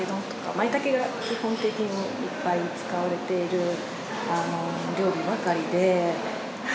まいたけが基本的にいっぱい使われているお料理ばかりで。